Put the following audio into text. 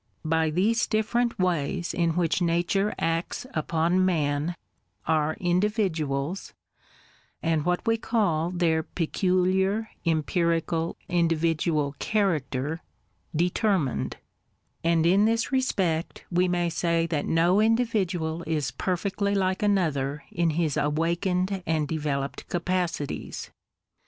By these different ways in which Nature acts upon man, are individuals, and what we call their peculiar, empirical, individual character, determined; — and in this respect we may say that no individual is perfectly like another in his awakened and developed" capacities.